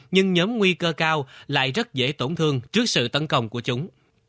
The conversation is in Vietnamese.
nhưng nhóm nguy cơ cao lại rất dễ tổn thương trước sự tấn công của chúng